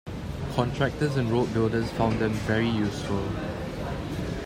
Contractors and road builders found them very useful.